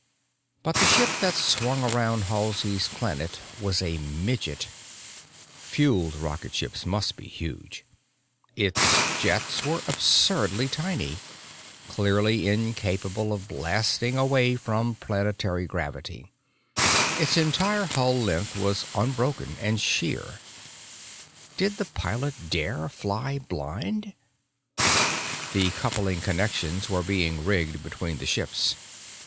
But the ship that swung around Halsey's Planet was a midget (fueled rocket ships must be huge); its jets were absurdly tiny, clearly incapable of blasting away from planetary gravity; its entire hull length was unbroken and sheer (did the pilot dare fly blind?). The coupling connections were being rigged between the ships.